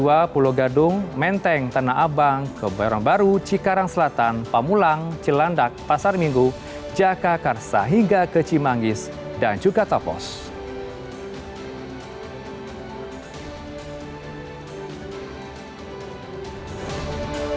aplikasi pemantau kualitas udara nafas indonesia dan halodoc kemudian melakukan kerja sama riset soal pelaporan ispa